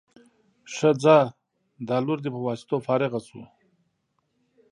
ښه ځه دا لور دې په واسطو فارغه شو.